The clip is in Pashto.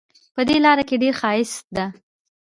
په دې لاره کې ډېر ښایست ده